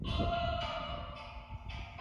سوچه پښتو ژبه زموږ د ذهن د رڼا سبب ګرځي